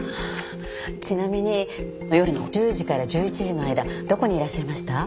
ちなみに夜の１０時から１１時の間どこにいらっしゃいました？